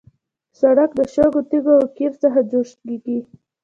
سړک د شګو، تیږو او قیر څخه جوړېږي.